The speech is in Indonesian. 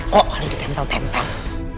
kok kali ditentang tentang